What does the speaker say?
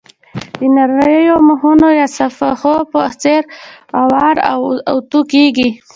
د نریو مخونو یا صفحو په څېر اوار او اوتو کېږي.